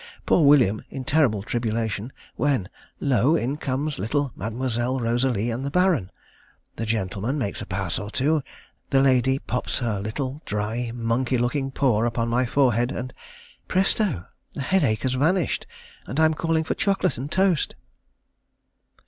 Poor William in terrible tribulation, when lo! in comes little Mademoiselle Rosalie and the Baron. The gentleman makes a pass or two the lady pops her little, dry, monkey looking paw upon my forehead, and, presto! the headache has vanished, and I'm calling for chocolate and toast!